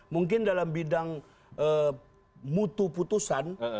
mungkin dalam bidang mutu putusan